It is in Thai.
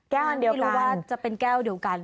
ไม่รู้ว่าจะเป็นแก้วเดียวกัน